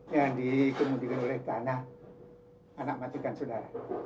yang dikemudikan oleh tanah anak matikan saudara